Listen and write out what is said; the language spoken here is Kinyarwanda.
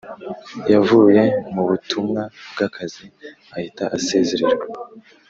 Yavuye mubutumwa bwakazi ahita asezererwa